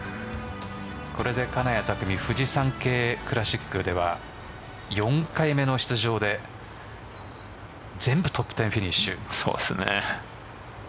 これで金谷拓実フジサンケイクラシックでは４回目の出場で全部トップ１０フィニッシュ。